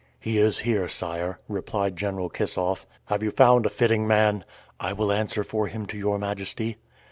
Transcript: "He is here, sire," replied General Kissoff. "Have you found a fitting man?" "I will answer for him to your majesty."